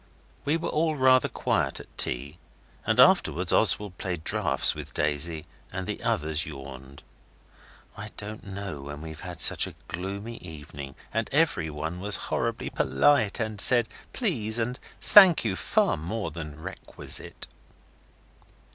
We were all rather quiet at tea, and afterwards Oswald played draughts with Daisy and the others yawned. I don't know when we've had such a gloomy evening. And everyone was horribly polite, and said 'Please' and 'Thank you' far more than requisite.